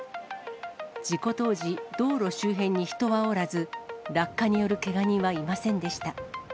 事故当時、道路周辺に人はおらず、落下によるけが人はいませんでした。